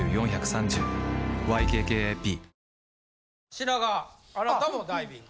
品川あなたもダイビング。